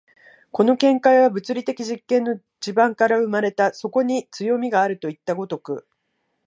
この見解は物理的実験の地盤から生まれた、そこに強味があるといった如く。